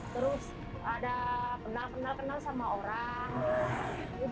terus ada kenal kenal kenal sama orang